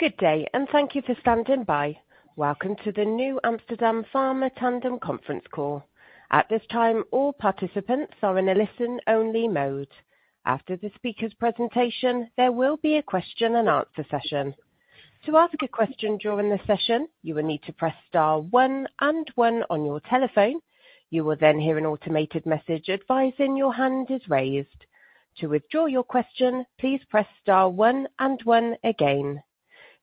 Good day, and thank you for standing by. Welcome to the NewAmsterdam Pharma TANDEM Conference Call. At this time, all participants are in a listen-only mode. After the speaker's presentation, there will be a question-and-answer session. To ask a question during the session, you will need to press star one and one on your telephone. You will then hear an automated message advising your hand is raised. To withdraw your question, please press star one and one again.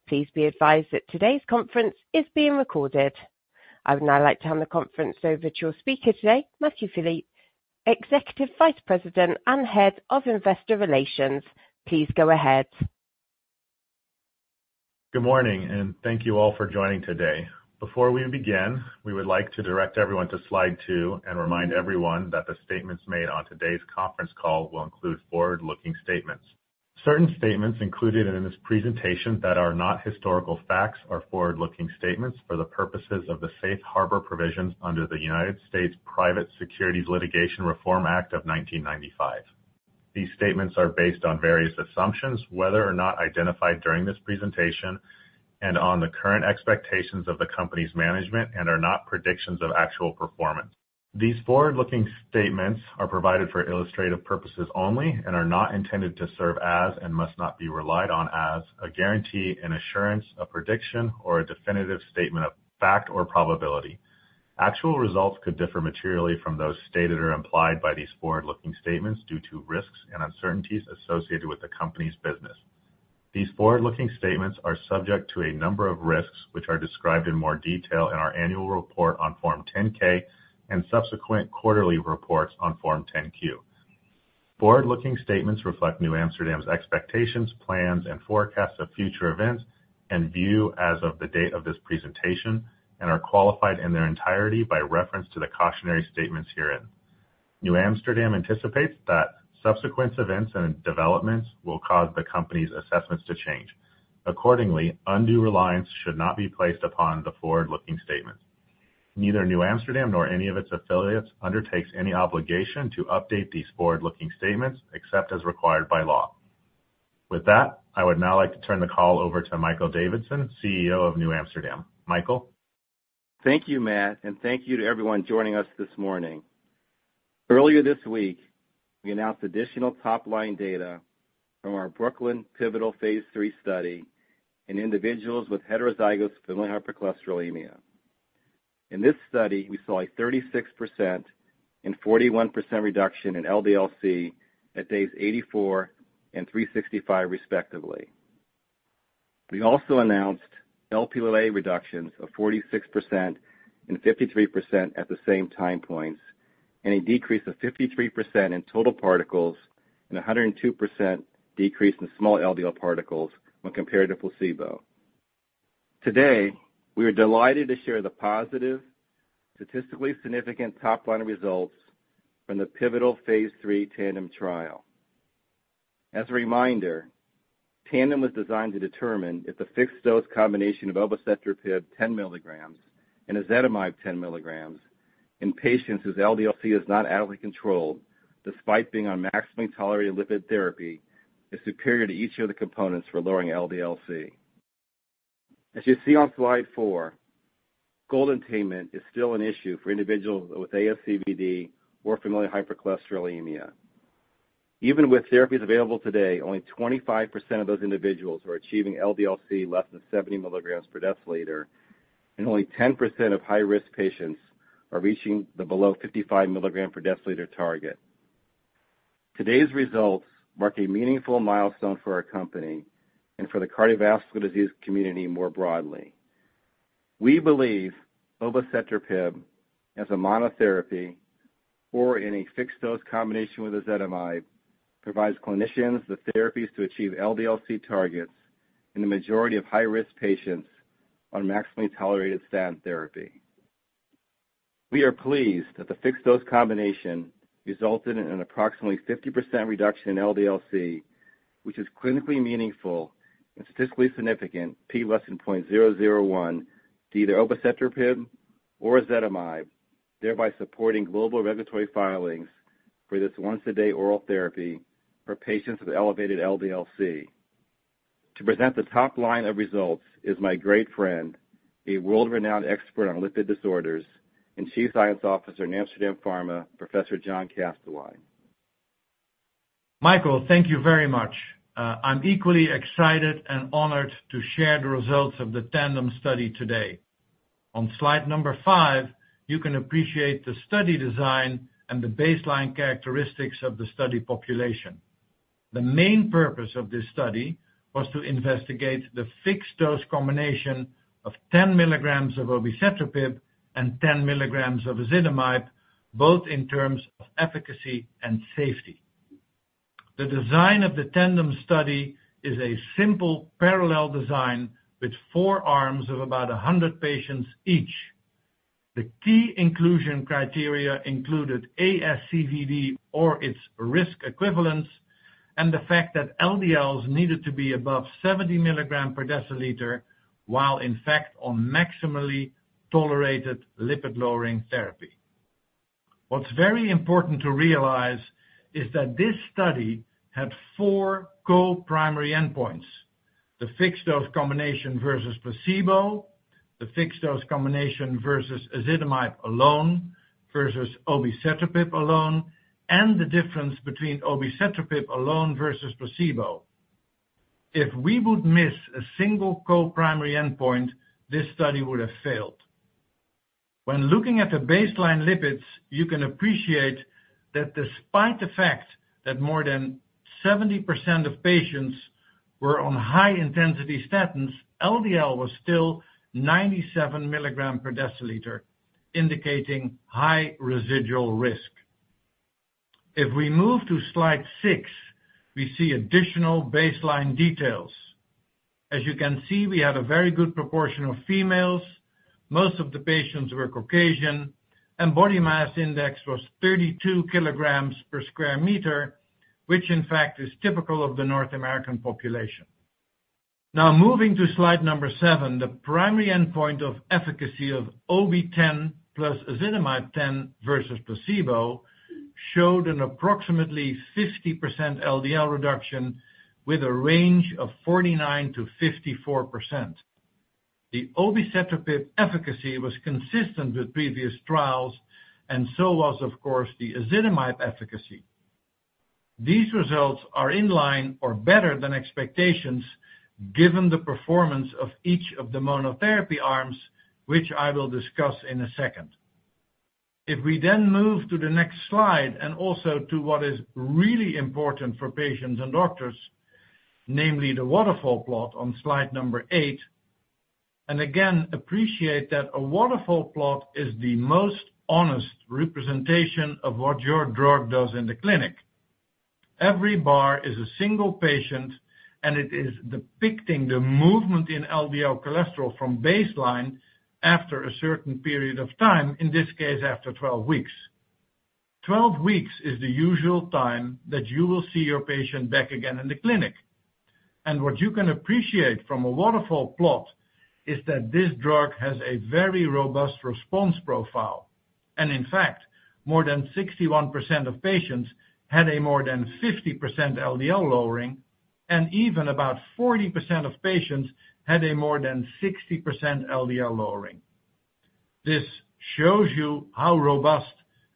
Please be advised that today's conference is being recorded. I would now like to hand the conference over to your speaker today, Matthew Philippe, Executive Vice President and Head of Investor Relations. Please go ahead. Good morning, and thank you all for joining today. Before we begin, we would like to direct everyone to slide two and remind everyone that the statements made on today's conference call will include forward-looking statements. Certain statements included in this presentation that are not historical facts are forward-looking statements for the purposes of the safe harbor provisions under the United States Private Securities Litigation Reform Act of 1995. These statements are based on various assumptions, whether or not identified during this presentation, and on the current expectations of the company's management, and are not predictions of actual performance. These forward-looking statements are provided for illustrative purposes only and are not intended to serve as, and must not be relied on as, a guarantee, an assurance, a prediction, or a definitive statement of fact or probability. Actual results could differ materially from those stated or implied by these forward-looking statements due to risks and uncertainties associated with the company's business. These forward-looking statements are subject to a number of risks, which are described in more detail in our annual report on Form 10-K and subsequent quarterly reports on Form 10-Q. Forward-looking statements reflect NewAmsterdam's expectations, plans, and forecasts of future events and view as of the date of this presentation, and are qualified in their entirety by reference to the cautionary statements herein. NewAmsterdam anticipates that subsequent events and developments will cause the company's assessments to change. Accordingly, undue reliance should not be placed upon the forward-looking statements. Neither NewAmsterdam nor any of its affiliates undertakes any obligation to update these forward-looking statements except as required by law. With that, I would now like to turn the call over to Michael Davidson, CEO of NewAmsterdam. Michael. Thank you, Matt, and thank you to everyone joining us this morning. Earlier this week, we announced additional top-line data from our BROOKLYN pivotal phase III study in individuals with heterozygous familial hypercholesterolemia. In this study, we saw a 36% and 41% reduction in LDL-C at days 84 and 365, respectively. We also announced Lp(a) reductions of 46% and 53% at the same time points, and a decrease of 53% in total particles and a 102% decrease in small LDL particles when compared to placebo. Today, we are delighted to share the positive, statistically significant top-line results from the pivotal phase III TANDEM trial. As a reminder, TANDEM was designed to determine if the fixed-dose combination of obicetrapib 10 mg and ezetimibe 10 mg in patients whose LDL-C is not adequately controlled despite being on maximally tolerated lipid therapy is superior to each of the components for lowering LDL-C. As you see on slide four, goal attainment is still an issue for individuals with ASCVD or familial hypercholesterolemia. Even with therapies available today, only 25% of those individuals are achieving LDL-C less than 70 mg/dL, and only 10% of high-risk patients are reaching the below 55 mg/dL target. Today's results mark a meaningful milestone for our company and for the cardiovascular disease community more broadly. We believe obicetrapib, as a monotherapy or in a fixed-dose combination with ezetimibe, provides clinicians the therapies to achieve LDL-C targets in the majority of high-risk patients on maximally tolerated statin therapy. We are pleased that the fixed-dose combination resulted in an approximately 50% reduction in LDL-C, which is clinically meaningful and statistically significant P less than 0.001 to either obicetrapib or ezetimibe, thereby supporting global regulatory filings for this once-a-day oral therapy for patients with elevated LDL-C. To present the top line of results is my great friend, a world-renowned expert on lipid disorders and Chief Scientific Officer in NewAmsterdam Pharma, Professor John Kastelein. Michael, thank you very much. I'm equally excited and honored to share the results of the TANDEM study today. On slide number five, you can appreciate the study design and the baseline characteristics of the study population. The main purpose of this study was to investigate the fixed-dose combination of 10 mg of obicetrapib and 10 mg of ezetimibe, both in terms of efficacy and safety. The design of the TANDEM study is a simple parallel design with four arms of about 100 patients each. The key inclusion criteria included ASCVD or its risk equivalents and the fact that LDLs needed to be above 70 mg/dL while in fact on maximally tolerated lipid-lowering therapy. What's very important to realize is that this study had four co-primary endpoints: the fixed-dose combination versus placebo, the fixed-dose combination versus ezetimibe alone versus obicetrapib alone, and the difference between obicetrapib alone versus placebo. If we would miss a single co-primary endpoint, this study would have failed. When looking at the baseline lipids, you can appreciate that despite the fact that more than 70% of patients were on high-intensity statins, LDL was still 97 mg/dL, indicating high residual risk. If we move to slide six, we see additional baseline details. As you can see, we had a very good proportion of females. Most of the patients were Caucasian, and body mass index was 32 kg per square meter, which in fact is typical of the North American population. Now, moving to slide number seven, the primary endpoint of efficacy of OB 10 mg plus ezetimibe 10 mg versus placebo showed an approximately 50% LDL reduction with a range of 49%-54%. The obicetrapib efficacy was consistent with previous trials, and so was, of course, the ezetimibe efficacy. These results are in line or better than expectations given the performance of each of the monotherapy arms, which I will discuss in a second. If we then move to the next slide and also to what is really important for patients and doctors, namely the waterfall plot on slide number eight, and again appreciate that a waterfall plot is the most honest representation of what your drug does in the clinic. Every bar is a single patient, and it is depicting the movement in LDL cholesterol from baseline after a certain period of time, in this case, after 12 weeks. 12 weeks is the usual time that you will see your patient back again in the clinic. And what you can appreciate from a waterfall plot is that this drug has a very robust response profile, and in fact, more than 61% of patients had a more than 50% LDL lowering, and even about 40% of patients had a more than 60% LDL lowering. This shows you how robust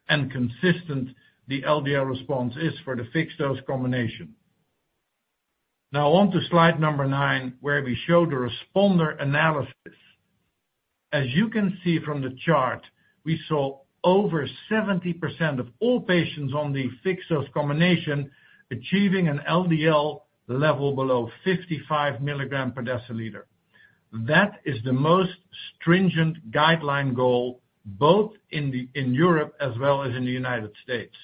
and consistent the LDL response is for the fixed-dose combination. Now, onto slide number nine, where we show the responder analysis. As you can see from the chart, we saw over 70% of all patients on the fixed-dose combination achieving an LDL level below 55 mg/dL. That is the most stringent guideline goal both in Europe as well as in the United States.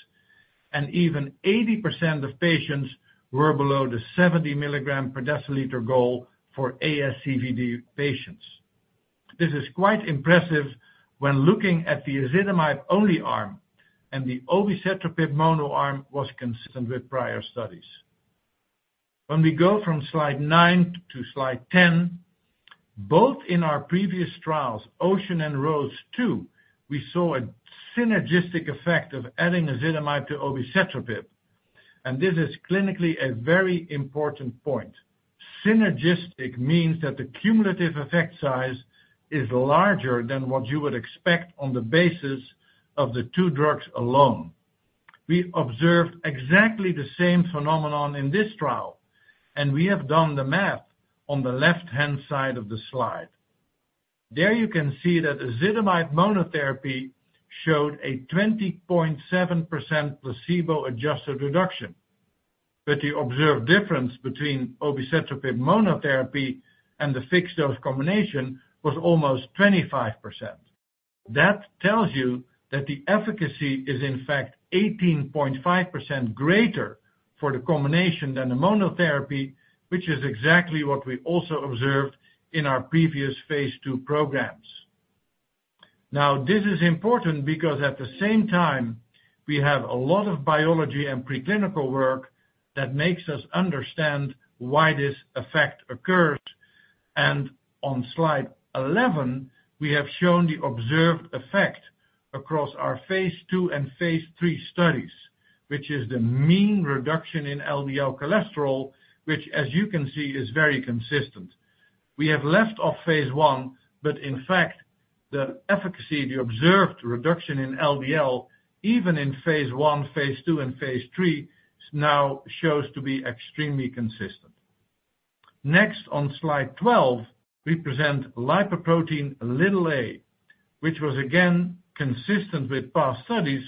And even 80% of patients were below the 70 mg/dL goal for ASCVD patients. This is quite impressive when looking at the ezetimibe-only arm, and the obicetrapib monoarm was consistent with prior studies. When we go from slide nine to slide 10, both in our previous trials, OCEAN and ROSE II, we saw a synergistic effect of adding ezetimibe to obicetrapib, and this is clinically a very important point. Synergistic means that the cumulative effect size is larger than what you would expect on the basis of the two drugs alone. We observed exactly the same phenomenon in this trial, and we have done the math on the left-hand side of the slide. There you can see that ezetimibe monotherapy showed a 20.7% placebo-adjusted reduction, but the observed difference between obicetrapib monotherapy and the fixed-dose combination was almost 25%. That tells you that the efficacy is in fact 18.5% greater for the combination than the monotherapy, which is exactly what we also observed in our previous phase II programs. Now, this is important because at the same time, we have a lot of biology and preclinical work that makes us understand why this effect occurs, and on slide 11, we have shown the observed effect across our phase II and phase III studies, which is the mean reduction in LDL cholesterol, which, as you can see, is very consistent. We have left off phase I, but in fact, the efficacy of the observed reduction in LDL, even in phase I, phase II, and phase III, now shows to be extremely consistent. Next, on slide 12, we present lipoprotein(a), which was again consistent with past studies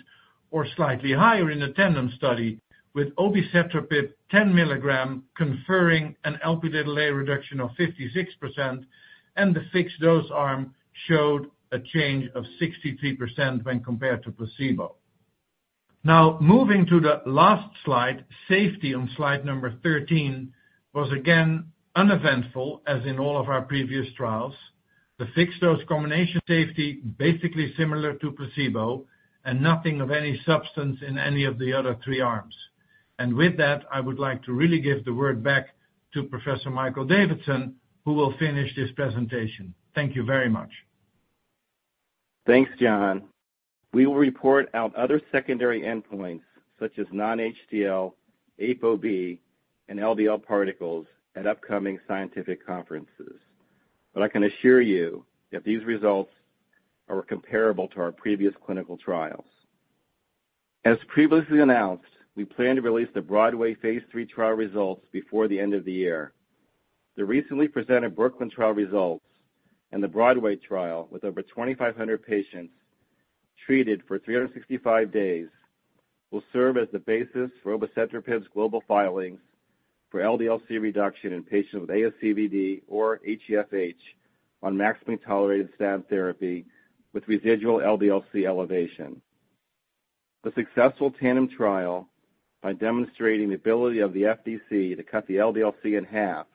or slightly higher in the TANDEM study, with obicetrapib 10 mg conferring an Lp(a) reduction of 56%, and the fixed-dose arm showed a change of 63% when compared to placebo. Now, moving to the last slide, safety on slide number 13 was again uneventful, as in all of our previous trials. The fixed-dose combination safety was basically similar to placebo, and nothing of any substance in any of the other three arms. And with that, I would like to really give the word back to Professor Michael Davidson, who will finish this presentation. Thank you very much. Thanks, John. We will report out other secondary endpoints such as non-HDL, ApoB, and LDL particles at upcoming scientific conferences, but I can assure you that these results are comparable to our previous clinical trials. As previously announced, we plan to release the BROADWAY phase III trial results before the end of the year. The recently presented BROOKLYN trial results and the BROADWAY trial with over 2,500 patients treated for 365 days will serve as the basis for obicetrapib's global filings for LDL-C reduction in patients with ASCVD or HeFH on maximally tolerated statin therapy with residual LDL-C elevation. The successful TANDEM trial, by demonstrating the ability of the FDC to cut the LDL-C in half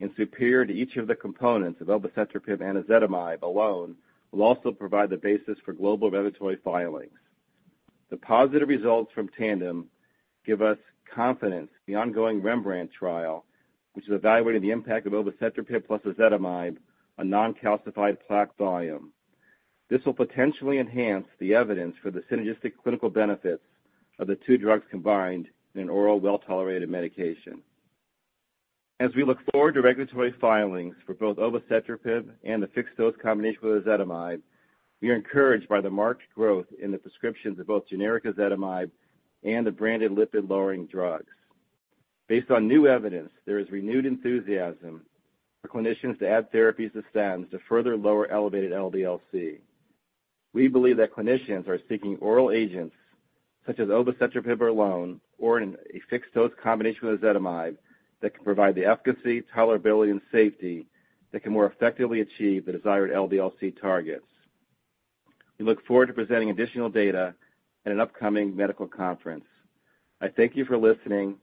and superior to each of the components of obicetrapib and ezetimibe alone, will also provide the basis for global regulatory filings. The positive results from TANDEM give us confidence in the ongoing REMBRANDT trial, which is evaluating the impact of obicetrapib plus ezetimibe on non-calcified plaque volume. This will potentially enhance the evidence for the synergistic clinical benefits of the two drugs combined in an oral well-tolerated medication. As we look forward to regulatory filings for both obicetrapib and the fixed-dose combination with ezetimibe, we are encouraged by the marked growth in the prescriptions of both generic ezetimibe and the branded lipid-lowering drugs. Based on new evidence, there is renewed enthusiasm for clinicians to add therapies to statins to further lower elevated LDL-C. We believe that clinicians are seeking oral agents such as obicetrapib alone or in a fixed-dose combination with ezetimibe that can provide the efficacy, tolerability, and safety that can more effectively achieve the desired LDL-C targets. We look forward to presenting additional data at an upcoming medical conference. I thank you for listening.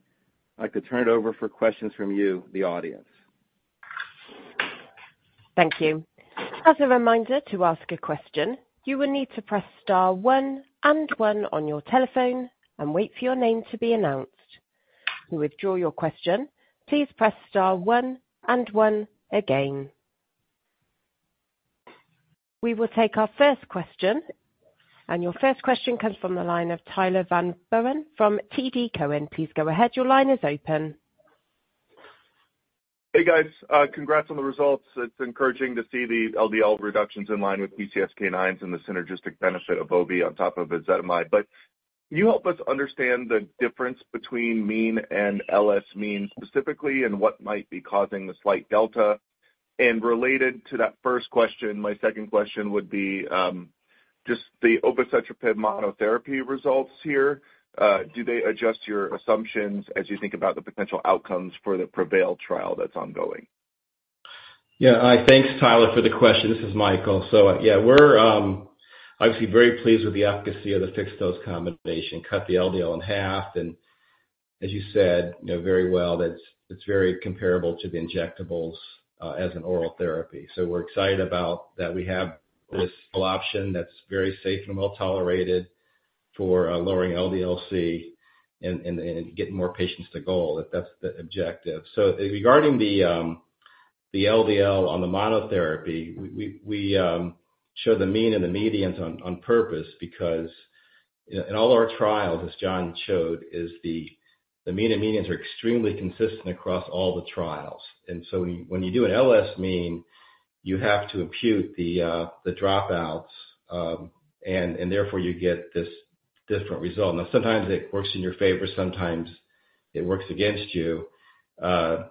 I'd like to turn it over for questions from you, the audience. Thank you. As a reminder to ask a question, you will need to press star one and one on your telephone and wait for your name to be announced. To withdraw your question, please press star one and one again. We will take our first question, and your first question comes from the line of Tyler Van Buren from TD Cowen. Please go ahead. Your line is open. Hey, guys. Congrats on the results. It's encouraging to see the LDL reductions in line with PCSK9s and the synergistic benefit of OB on top of ezetimibe, but can you help us understand the difference between mean and LS mean specifically and what might be causing the slight delta, and related to that first question, my second question would be just the obicetrapib monotherapy results here. Do they adjust your assumptions as you think about the potential outcomes for the PREVAIL trial that's ongoing? Yeah. Hi, thanks, Tyler, for the question. This is Michael. So yeah, we're obviously very pleased with the efficacy of the fixed-dose combination, cut the LDL-C in half, and as you said very well, it's very comparable to the injectables as an oral therapy. So we're excited about that we have this option that's very safe and well-tolerated for lowering LDL-C and getting more patients to goal. That's the objective. So regarding the LDL-C on the monotherapy, we show the mean and the medians on purpose because in all our trials, as John showed, the mean and medians are extremely consistent across all the trials. And so when you do an LS mean, you have to impute the dropouts, and therefore you get this different result. Now, sometimes it works in your favor, sometimes it works against you. The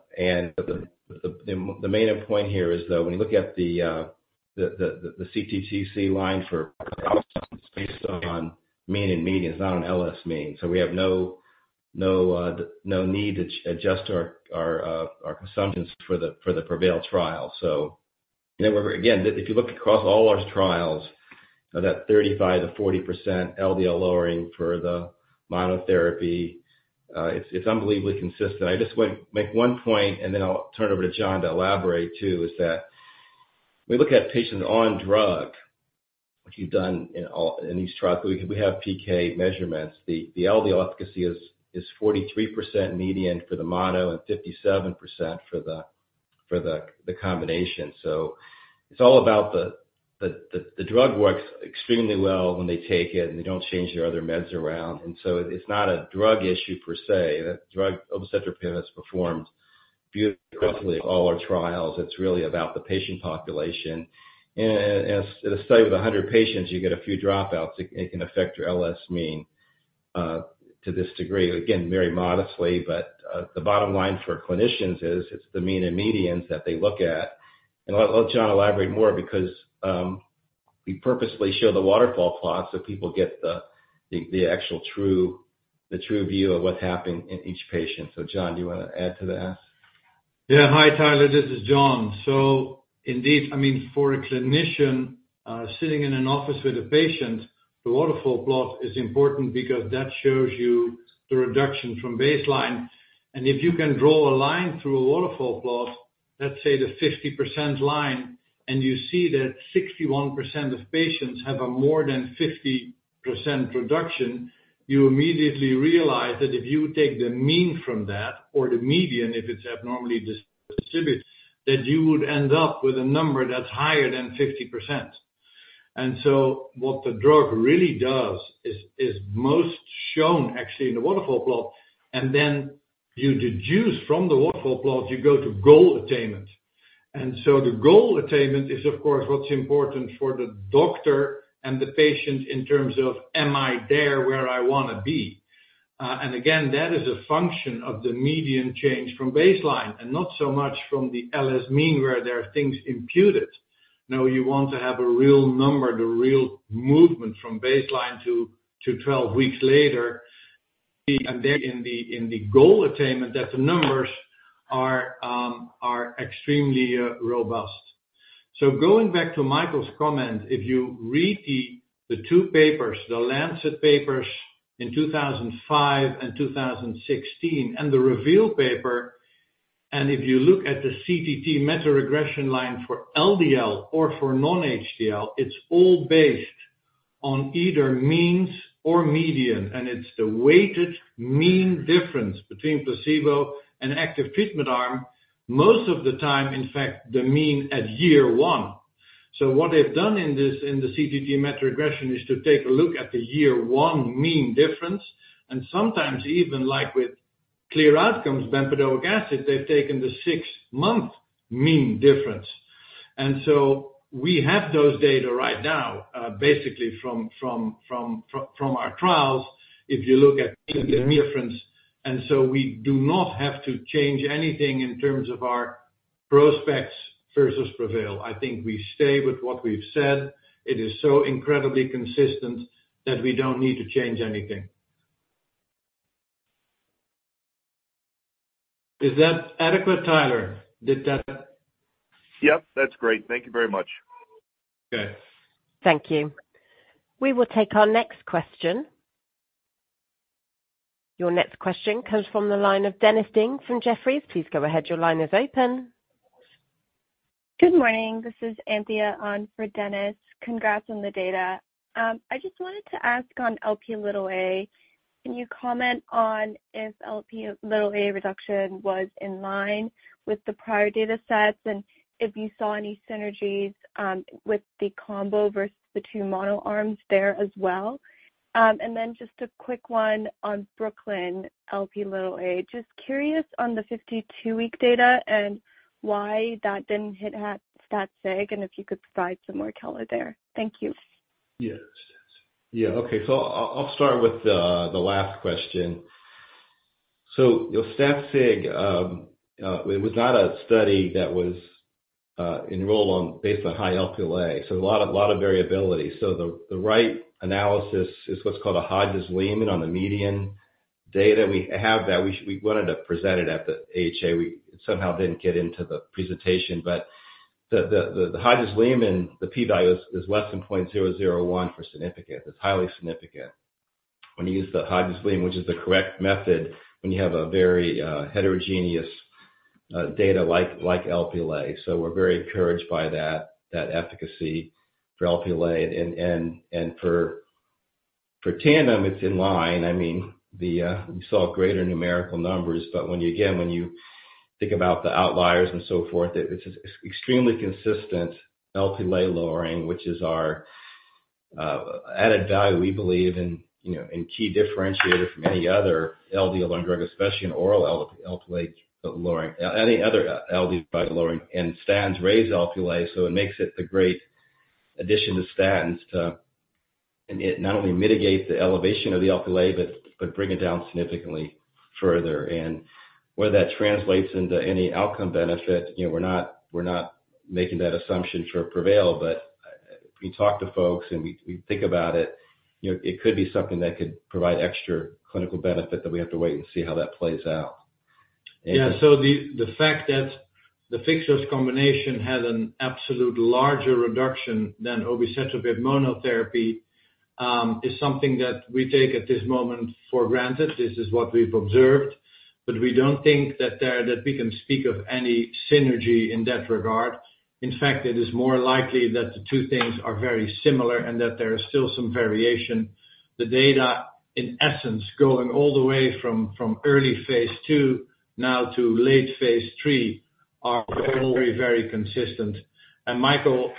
main point here is that when you look at the CTT line for production, it's based on mean and medians, not an LS mean. We have no need to adjust our assumptions for the PREVAIL trial. Again, if you look across all our trials, that 35%-40% LDL lowering for the monotherapy, it's unbelievably consistent. I just want to make one point, and then I'll turn it over to John to elaborate too, is that when we look at patients on drug, which we've done in these trials, we have PK measurements, the LDL efficacy is 43% median for the mono and 57% for the combination. It's all about the drug works extremely well when they take it, and they don't change their other meds around. It's not a drug issue per se. Obicetrapib has performed beautifully in all our trials. It's really about the patient population. In a study with 100 patients, you get a few dropouts. It can affect your LS mean to this degree. Again, very modestly, but the bottom line for clinicians is it's the mean and medians that they look at. And I'll let John elaborate more because we purposely show the waterfall plots so people get the actual true view of what's happening in each patient. So John, do you want to add to that? Yeah. Hi, Tyler. This is John. So indeed, I mean, for a clinician sitting in an office with a patient, the waterfall plot is important because that shows you the reduction from baseline. And if you can draw a line through a waterfall plot, let's say the 50% line, and you see that 61% of patients have a more than 50% reduction, you immediately realize that if you take the mean from that or the median, if it's abnormally distributed, that you would end up with a number that's higher than 50%. And so what the drug really does is most shown, actually, in the waterfall plot, and then you deduce from the waterfall plot, you go to goal attainment. The goal attainment is, of course, what's important for the doctor and the patient in terms of, "Am I there where I want to be?" And again, that is a function of the median change from baseline and not so much from the LS mean where there are things imputed. Now, you want to have a real number, the real movement from baseline to 12 weeks later, and then in the goal attainment, that the numbers are extremely robust. So going back to Michael's comment, if you read the two papers, The Lancet papers in 2005 and 2016 and the REVEAL paper, and if you look at the CTT meta-regression line for LDL or for non-HDL, it's all based on either means or median, and it's the weighted mean difference between placebo and active treatment arm, most of the time, in fact, the mean at year one. So what they've done in the CTT meta-regression is to take a look at the year one mean difference, and sometimes even like with CLEAR Outcomes, bempedoic acid, they've taken the six-month mean difference. And so we have those data right now, basically from our trials, if you look at the mean difference. And so we do not have to change anything in terms of our prospects versus PREVAIL. I think we stay with what we've said. It is so incredibly consistent that we don't need to change anything. Is that adequate, Tyler? Yep. That's great. Thank you very much. Okay. Thank you. We will take our next question. Your next question comes from the line of Dennis Ding from Jefferies. Please go ahead. Your line is open. Good morning. This is Anthea on for Dennis. Congrats on the data. I just wanted to ask on Lp(a). Can you comment on if Lp(a) reduction was in line with the prior datasets and if you saw any synergies with the combo versus the two mono arms there as well? Then just a quick one on BROOKLYN, Lp(a). Just curious on the 52-week data and why that didn't hit stat sig, and if you could provide some more color there. Thank you. Yeah. Yeah. Okay. So I'll start with the last question. So stat sig, it was not a study that was enrolled based on high Lp(a). So a lot of variability. So the right analysis is what's called a Hodges-Lehmann on the median data. We have that. We wanted to present it at the AHA. We somehow didn't get into the presentation, but the Hodges-Lehmann, the p-value is less than 0.001 for significance. It's highly significant when you use the Hodges-Lehmann, which is the correct method when you have a very heterogeneous data like Lp(a). So we're very encouraged by that efficacy for Lp(a). And for TANDEM, it's in line. I mean, we saw greater numerical numbers, but again, when you think about the outliers and so forth, it's extremely consistent Lp(a) lowering, which is our added value, we believe, and key differentiator from any other LDL-lowering drug, especially in oral Lp(a) lowering, any other LDL lowering, and statins raise Lp(a), so it makes it the great addition to statins to not only mitigate the elevation of the Lp(a) but bring it down significantly further, and whether that translates into any outcome benefit, we're not making that assumption for PREVAIL, but we talk to folks and we think about it. It could be something that could provide extra clinical benefit that we have to wait and see how that plays out. Yeah, so the fact that the fixed-dose combination had an absolute larger reduction than obicetrapib monotherapy is something that we take at this moment for granted. This is what we've observed, but we don't think that we can speak of any synergy in that regard. In fact, it is more likely that the two things are very similar and that there is still some variation. The data, in essence, going all the way from early phase II now to late phase III are very, very consistent, and Michael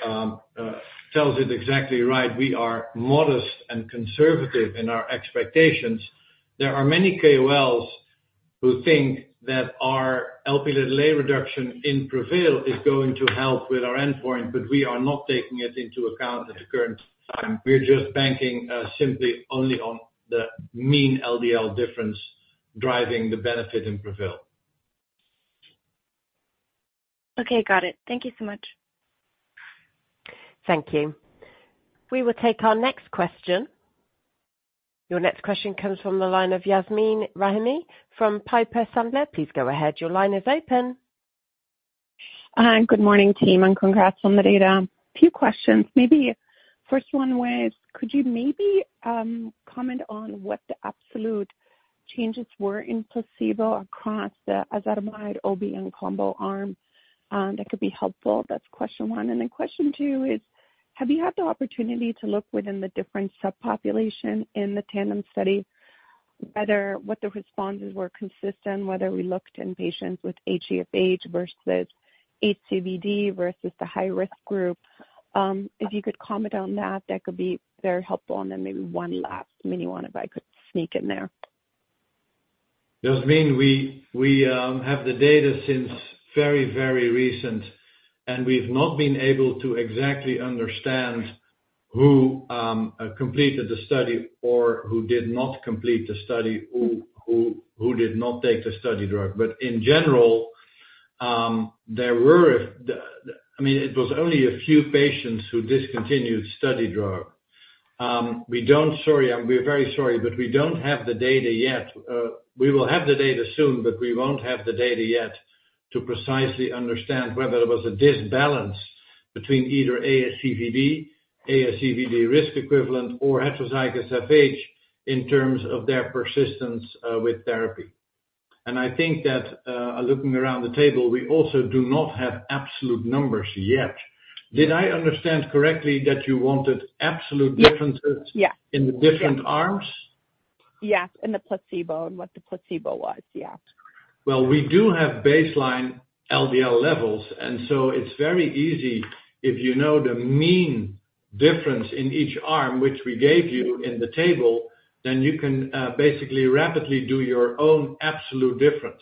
tells it exactly right. We are modest and conservative in our expectations. There are many KOLs who think that our Lp(a) reduction in PREVAIL is going to help with our endpoint, but we are not taking it into account at the current time. We're just banking simply only on the mean LDL difference driving the benefit in PREVAIL. Okay. Got it. Thank you so much. Thank you. We will take our next question. Your next question comes from the line of Yasmeen Rahimi from Piper Sandler. Please go ahead. Your line is open. Hi. Good morning, team, and congrats on the data. A few questions. Maybe first one was, could you maybe comment on what the absolute changes were in placebo across the ezetimibe, OB, and combo arm? That could be helpful. That's question one, and then question two is, have you had the opportunity to look within the different subpopulation in the TANDEM study, whether the responses were consistent, whether we looked in patients with HeFH versus ASCVD versus the high-risk group? If you could comment on that, that could be very helpful, and then maybe one last mini one if I could sneak in there. Yasmeen, we have the data since very, very recent, and we've not been able to exactly understand who completed the study or who did not complete the study, who did not take the study drug. But in general, there were, I mean, it was only a few patients who discontinued study drug. We don't, sorry, we're very sorry, but we don't have the data yet. We will have the data soon, but we won't have the data yet to precisely understand whether there was an imbalance between either ASCVD, ASCVD risk equivalent, or heterozygous FH in terms of their persistence with therapy. And I think that looking around the table, we also do not have absolute numbers yet. Did I understand correctly that you wanted absolute differences in the different arms? Yes. In the placebo and what the placebo was. Yeah. We do have baseline LDL levels, and so it's very easy if you know the mean difference in each arm, which we gave you in the table, then you can basically rapidly do your own absolute difference.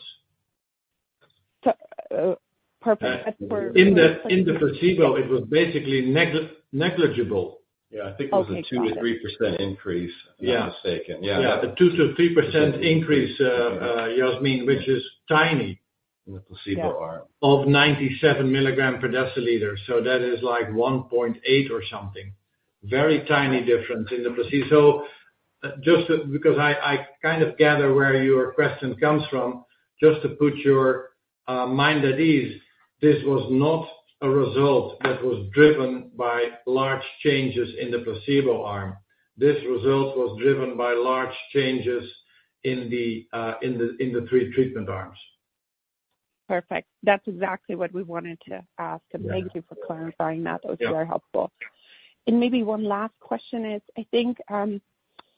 Perfect. That's perfect. In the placebo, it was basically negligible. Yeah. I think it was a 2%-3% increase, if I'm not mistaken. Yeah. A 2%-3% increase, Yasmeen, which is tiny. In the placebo arm Of 97 mg/dL. So that is like 1.8 or something. Very tiny difference in the placebo. So just because I kind of gather where your question comes from, just to put your mind at ease, this was not a result that was driven by large changes in the placebo arm. This result was driven by large changes in the three treatment arms. Perfect. That's exactly what we wanted to ask. And thank you for clarifying that. That was very helpful. And maybe one last question is, I think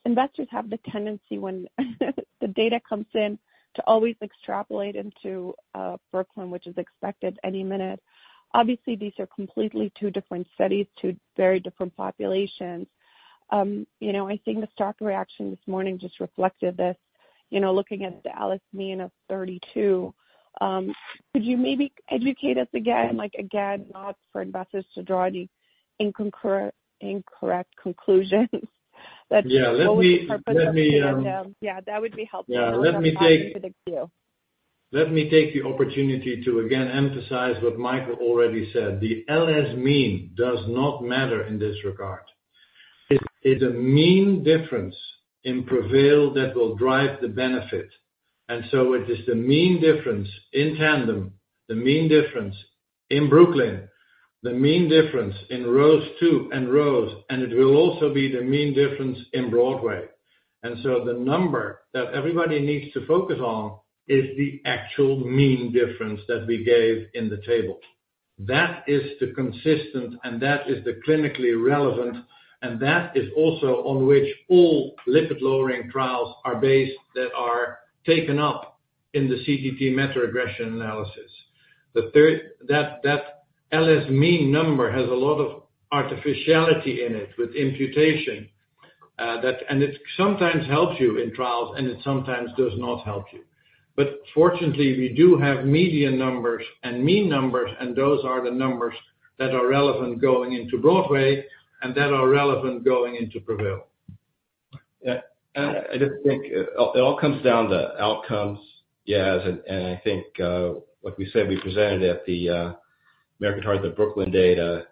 investors have the tendency when the data comes in to always extrapolate into BROOKLYN, which is expected any minute. Obviously, these are completely two different studies to very different populations. I think the stock reaction this morning just reflected this. Looking at the LS mean of 32, could you maybe educate us again, again, not for investors to draw any incorrect conclusions? Yeah. Let me. Yeah. That would be helpful. Yeah. Let me take. To the queue. Let me take the opportunity to again emphasize what Michael already said. The LS mean does not matter in this regard. It's a mean difference in PREVAIL that will drive the benefit. And so it is the mean difference in TANDEM, the mean difference in BROOKLYN, the mean difference in ROSE II and ROSE, and it will also be the mean difference in BROADWAY. And so the number that everybody needs to focus on is the actual mean difference that we gave in the table. That is the consistent, and that is the clinically relevant, and that is also on which all lipid-lowering trials are based that are taken up in the CTT meta-regression analysis. That LS mean number has a lot of artificiality in it with imputation, and it sometimes helps you in trials, and it sometimes does not help you. But fortunately, we do have median numbers and mean numbers, and those are the numbers that are relevant going into BROADWAY and that are relevant going into PREVAIL. Yeah. And I just think it all comes down to outcomes. Yeah. And I think what we said we presented at the American Heart Association BROOKLYN data,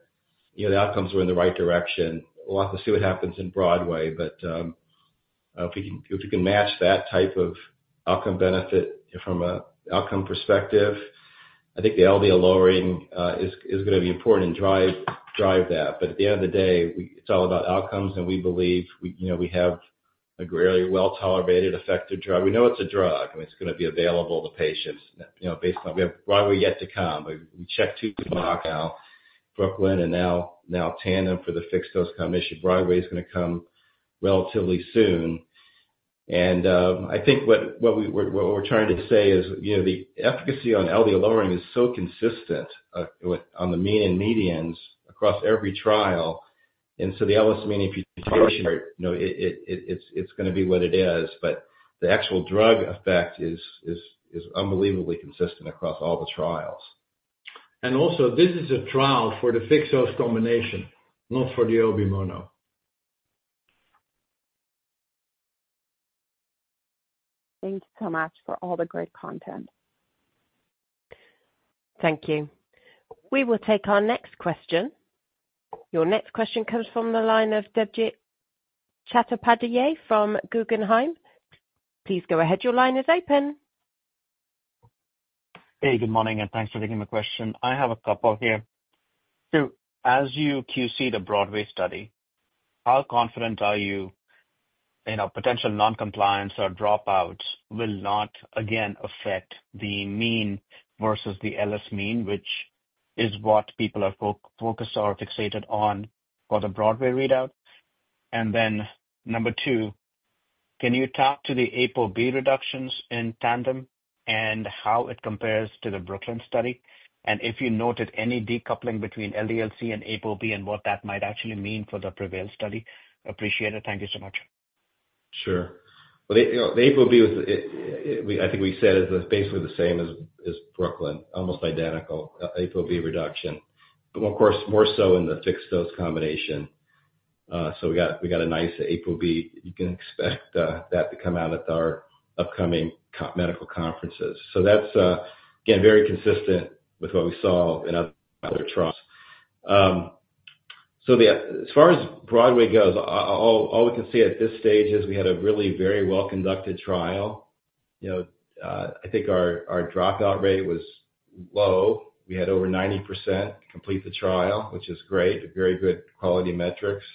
the outcomes were in the right direction. We'll have to see what happens in BROADWAY, but if we can match that type of outcome benefit from an outcome perspective, I think the LDL lowering is going to be important and drive that. But at the end of the day, it's all about outcomes, and we believe we have a very well-tolerated, effective drug. We know it's a drug, and it's going to be available to patients based on BROADWAY yet to come. We checked two boxes now, BROOKLYN, and now TANDEM for the fixed-dose combination. BROADWAY is going to come relatively soon. I think what we're trying to say is the efficacy on LDL lowering is so consistent on the mean and medians across every trial. The LS mean imputation, it's going to be what it is, but the actual drug effect is unbelievably consistent across all the trials. Also, this is a trial for the fixed-dose combination, not for the OB mono. Thank you so much for all the great content. Thank you. We will take our next question. Your next question comes from the line of Debjit Chattopadhyay from Guggenheim. Please go ahead. Your line is open. Hey. Good morning, and thanks for taking my question. I have a couple here. So as you QC the BROADWAY study, how confident are you potential non-compliance or dropouts will not again affect the mean versus the LS mean, which is what people are focused or fixated on for the BROADWAY readout? And then number two, can you talk to the ApoB reductions in TANDEM and how it compares to the BROOKLYN study? And if you noted any decoupling between LDL-C and ApoB and what that might actually mean for the PREVAIL study? Appreciate it. Thank you so much. Sure. Well, the ApoB, I think we said, is basically the same as BROOKLYN, almost identical, ApoB reduction, but of course, more so in the fixed-dose combination. So we got a nice ApoB. You can expect that to come out at our upcoming medical conferences. So that's, again, very consistent with what we saw in other trials. So as far as BROADWAY goes, all we can see at this stage is we had a really very well-conducted trial. I think our dropout rate was low. We had over 90% complete the trial, which is great, very good quality metrics.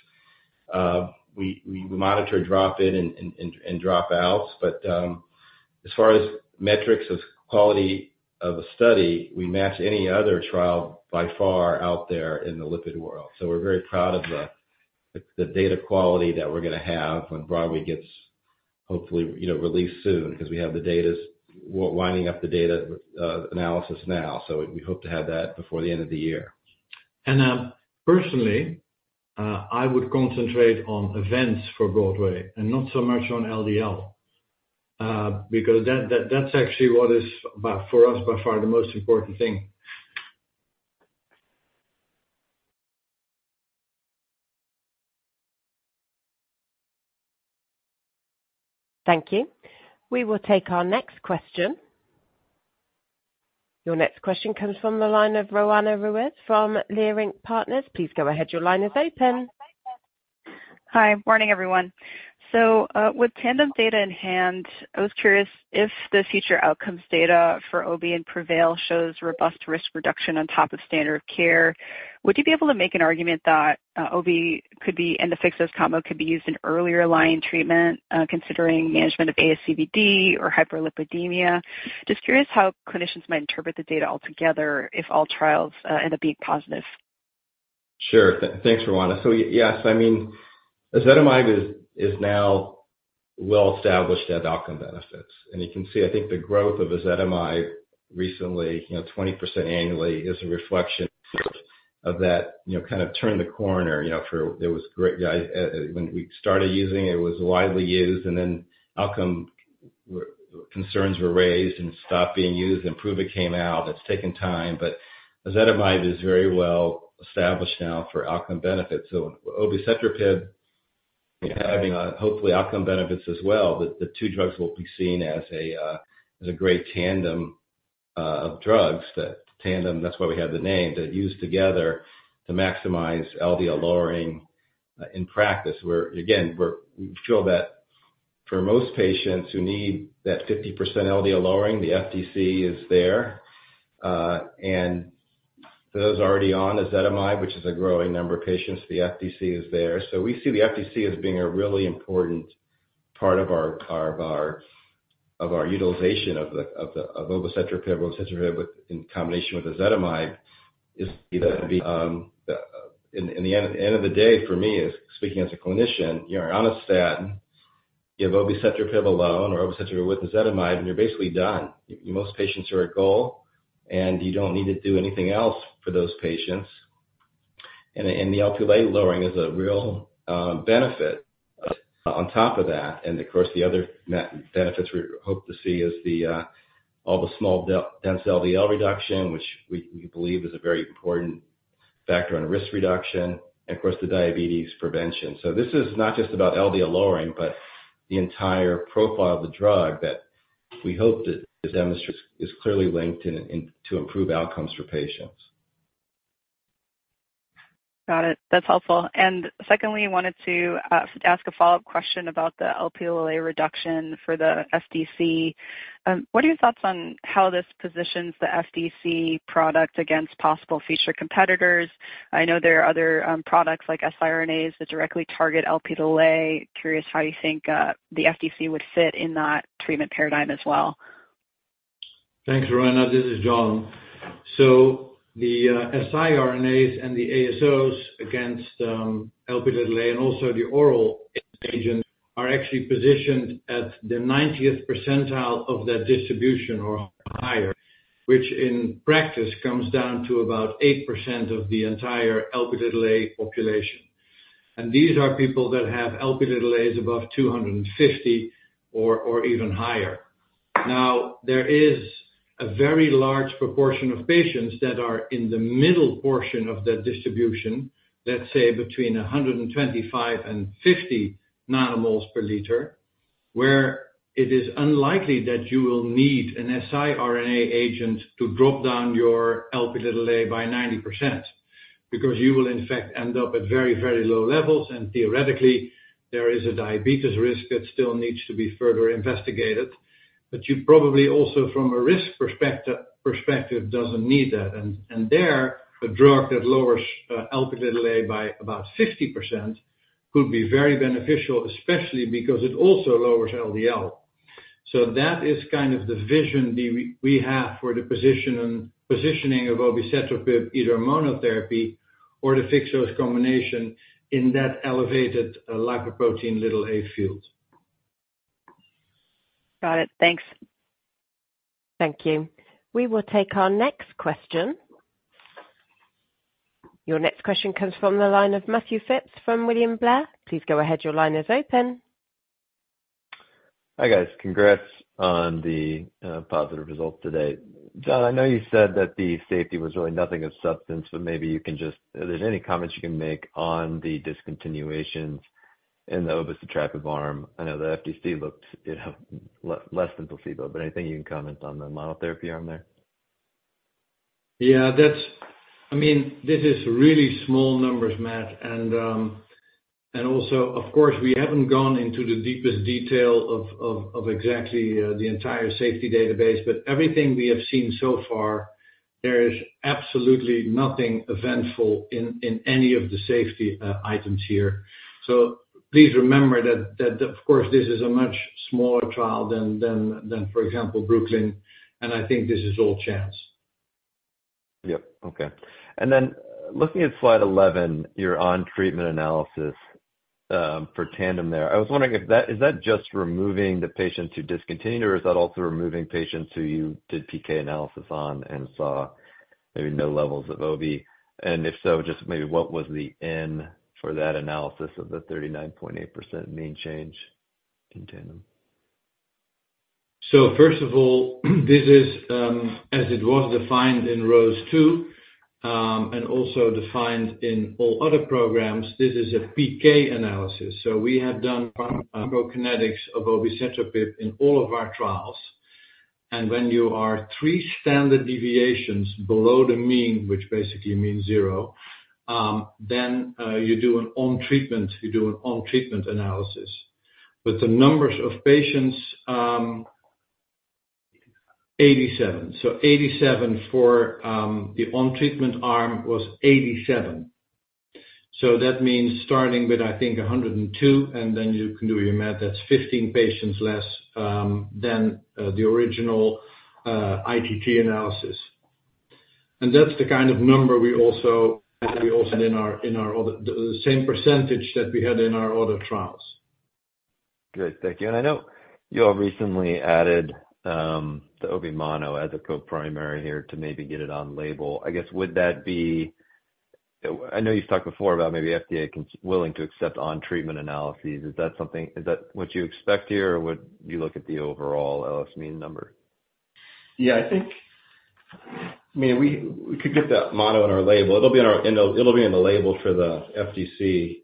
We monitor drop-in and dropouts, but as far as metrics of quality of a study, we match any other trial by far out there in the lipid world. So we're very proud of the data quality that we're going to have when BROADWAY gets hopefully released soon because we have the data, winding up the data analysis now. So we hope to have that before the end of the year. Personally, I would concentrate on events for BROADWAY and not so much on LDL because that's actually what is for us by far the most important thing. Thank you. We will take our next question. Your next question comes from the line of Roanna Ruiz from Leerink Partners. Please go ahead. Your line is open. Hi. Morning, everyone. So with TANDEM data in hand, I was curious if the future outcomes data for OB and PREVAIL shows robust risk reduction on top of standard of care. Would you be able to make an argument that OB and the fixed-dose combo could be used in earlier line treatment considering management of ASCVD or hyperlipidemia? Just curious how clinicians might interpret the data altogether if all trials end up being positive. Sure. Thanks, Roanna. So yes, I mean, ezetimibe is now well-established as outcome benefits. And you can see, I think, the growth of ezetimibe recently, 20% annually, is a reflection of that kind of turned the corner. It was great when we started using it. It was widely used, and then outcome concerns were raised and stopped being used, and IMPROVE-IT came out. It's taken time, but ezetimibe is very well-established now for outcome benefits. So obicetrapib, having hopefully outcome benefits as well, the two drugs will be seen as a great tandem of drugs. That's why we have the name to use together to maximize LDL lowering in practice. Again, we feel that for most patients who need that 50% LDL lowering, the FDC is there. And for those already on ezetimibe, which is a growing number of patients, the FDC is there. So we see the FDC as being a really important part of our utilization of obicetrapib in combination with ezetimibe is the. At the end of the day, for me, speaking as a clinician, you're on a statin, you have obicetrapib alone or obicetrapib with ezetimibe, and you're basically done. Most patients are at goal, and you don't need to do anything else for those patients. And the Lp(a) lowering is a real benefit. On top of that, and of course, the other benefits we hope to see is all the small dense LDL reduction, which we believe is a very important factor in risk reduction, and of course, the diabetes prevention. So this is not just about LDL lowering, but the entire profile of the drug that we hope that is clearly linked to improve outcomes for patients. Got it. That's helpful. And secondly, I wanted to ask a follow-up question about the Lp(a) reduction for the FDC. What are your thoughts on how this positions the FDC product against possible future competitors? I know there are other products like siRNAs that directly target Lp(a). Curious how you think the FDC would fit in that treatment paradigm as well. Thanks, Roanna. This is John. So the siRNAs and the ASOs against Lp(a) and also the oral agent are actually positioned at the 90th percentile of that distribution or higher, which in practice comes down to about 8% of the entire Lp(a) population. And these are people that have Lp(a)s above 250 or even higher. Now, there is a very large proportion of patients that are in the middle portion of that distribution, let's say between 125 and 50 nanomoles per liter, where it is unlikely that you will need an siRNA agent to drop down your Lp(a) by 90% because you will, in fact, end up at very, very low levels. And theoretically, there is a diabetes risk that still needs to be further investigated, but you probably also, from a risk perspective, doesn't need that. There, a drug that lowers Lp(a) by about 50% could be very beneficial, especially because it also lowers LDL. That is kind of the vision we have for the positioning of obicetrapib, either monotherapy or the fixed-dose combination in that elevated lipoprotein(a) field. Got it. Thanks. Thank you. We will take our next question. Your next question comes from the line of Matthew Phipps from William Blair. Please go ahead. Your line is open. Hi guys. Congrats on the positive result today. John, I know you said that the safety was really nothing of substance, but maybe you can just, if there's any comments you can make on the discontinuations in the obicetrapib arm, I know the FDC looked less than placebo, but anything you can comment on the monotherapy arm there? Yeah. I mean, this is really small numbers, Matt, and also, of course, we haven't gone into the deepest detail of exactly the entire safety database, but everything we have seen so far, there is absolutely nothing eventful in any of the safety items here. So please remember that, of course, this is a much smaller trial than, for example, BROOKLYN, and I think this is all chance. Yep. Okay. And then looking at slide 11, you're on-treatment analysis for TANDEM there. I was wondering, is that just removing the patients who discontinued, or is that also removing patients who you did PK analysis on and saw maybe no levels of OB? And if so, just maybe what was the N for that analysis of the 39.8% mean change in TANDEM? First of all, this is, as it was defined in ROSE II and also defined in all other programs, this is a PK analysis. We have done pharmacokinetics of obicetrapib in all of our trials. And when you are three standard deviations below the mean, which basically means zero, then you do an on-treatment analysis. But the numbers of patients—87. So 87 for the on-treatment arm was 87. So that means starting with, I think, 102, and then you can do your math. That's 15 patients less than the original ITT analysis. And that's the kind of number we also had in our other—the same percentage that we had in our other trials. Good. Thank you. And I know you all recently added the OB mono as a co-primary here to maybe get it on label. I guess would that be? I know you've talked before about maybe FDA willing to accept on-treatment analyses. Is that something? Is that what you expect here, or would you look at the overall LS mean number? Yeah. I mean, we could get that mono on our label. It'll be on our. It'll be on the label for the FDC.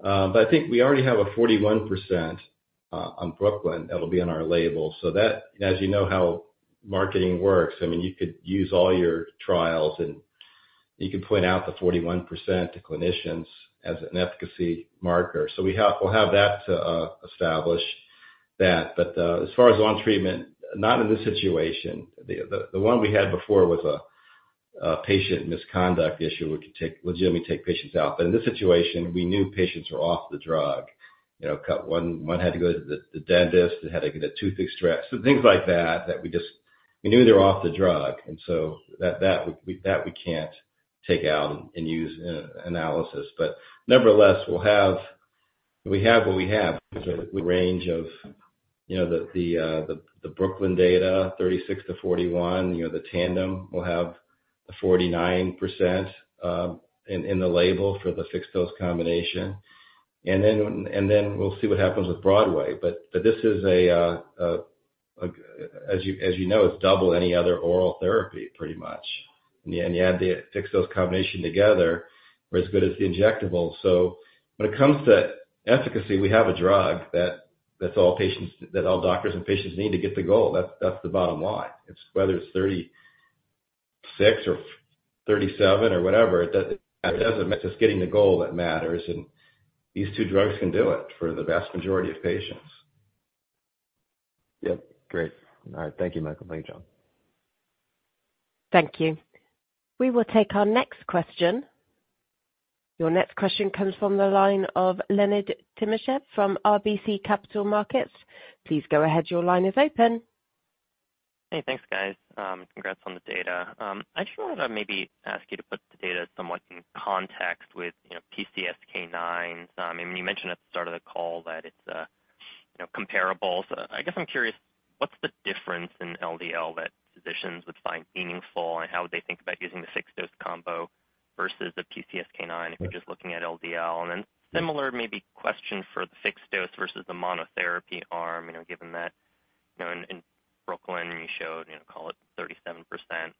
But I think we already have a 41% on BROOKLYN that'll be on our label. So that, as you know how marketing works, I mean, you could use all your trials, and you could point out the 41% to clinicians as an efficacy marker. So we'll have that to establish that. But as far as on-treatment, not in this situation. The one we had before was a patient misconduct issue. We could legitimately take patients out. But in this situation, we knew patients were off the drug. One had to go to the dentist. They had to get a tooth extract. So things like that that we just. We knew they were off the drug. And so that we can't take out and use in analysis. But nevertheless, we have what we have. So range of the BROOKLYN data, 36%-41%. The TANDEM will have the 49% in the label for the fixed-dose combination. And then we'll see what happens with BROADWAY. But this is a, as you know, it's double any other oral therapy, pretty much. And you add the fixed-dose combination together, we're as good as the injectable. So when it comes to efficacy, we have a drug that's all doctors and patients need to get the goal. That's the bottom line. Whether it's 36% or 37% or whatever, that doesn't matter. It's just getting the goal that matters. And these two drugs can do it for the vast majority of patients. Yep. Great. All right. Thank you, Michael. Thank you, John. Thank you. We will take our next question. Your next question comes from the line of Leonid Timashev from RBC Capital Markets. Please go ahead. Your line is open. Hey, thanks, guys. Congrats on the data. I just wanted to maybe ask you to put the data somewhat in context with PCSK9. I mean, you mentioned at the start of the call that it's comparable. So I guess I'm curious, what's the difference in LDL that physicians would find meaningful, and how would they think about using the fixed-dose combo versus the PCSK9 if you're just looking at LDL? And then similar maybe question for the fixed-dose versus the monotherapy arm, given that in BROOKLYN, you showed, call it 37%,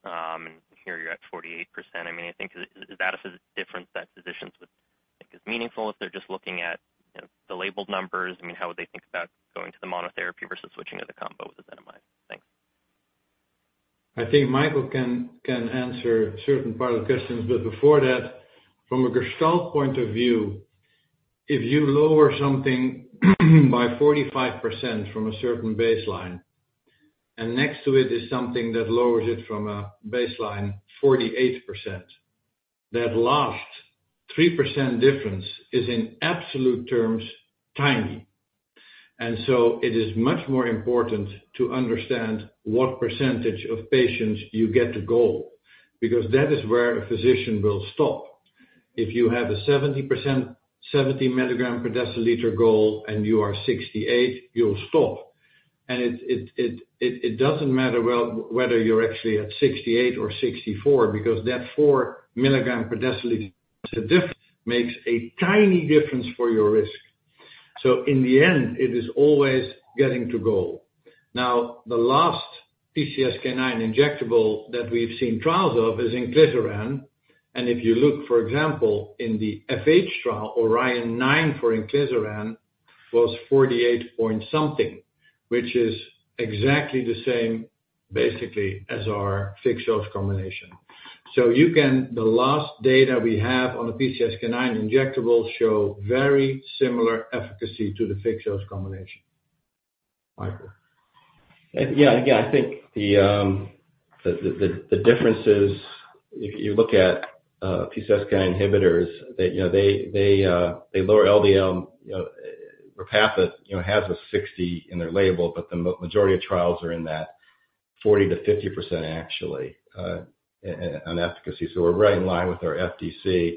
and here you're at 48%. I mean, I think is that a difference that physicians would think is meaningful if they're just looking at the labeled numbers? I mean, how would they think about going to the monotherapy versus switching to the combo with ezetimibe? Thanks. I think Michael can answer a certain part of the questions, but before that, from a Gestalt point of view, if you lower something by 45% from a certain baseline, and next to it is something that lowers it from a baseline 48%, that last 3% difference is, in absolute terms, tiny. It is much more important to understand what percentage of patients you get to goal because that is where a physician will stop. If you have a 70 mg/dL goal and you are 68, you'll stop. It doesn't matter whether you're actually at 68 or 64 because that 4 mg/dL difference makes a tiny difference for your risk. In the end, it is always getting to goal. Now, the last PCSK9 injectable that we've seen trials of is inclisiran. And if you look, for example, in the FH trial, ORION-9 for inclisiran was 48 point something, which is exactly the same, basically, as our fixed-dose combination. So the last data we have on the PCSK9 injectable show very similar efficacy to the fixed-dose combination. Michael. Yeah. Yeah. I think the difference is, if you look at PCSK9 inhibitors, they lower LDL. Repatha, it has a 60% in their label, but the majority of trials are in that 40%-50%, actually, on efficacy. So we're right in line with our FDC.